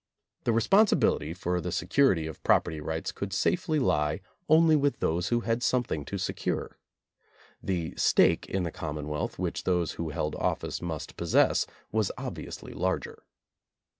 The responsibility for the se curity of property rights could safely lie only with those who had something to secure. The "stake" in the commonwealth which those who held office must possess was obviously larger.